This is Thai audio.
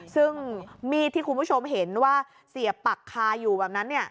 ซึ่งมีดที่คุณผู้ชมเห็นว่าเสียบปักคาอยู่แบบนั้น